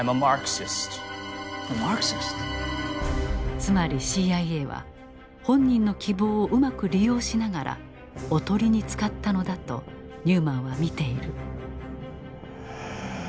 つまりＣＩＡは本人の希望をうまく利用しながら「おとり」に使ったのだとニューマンは見ている。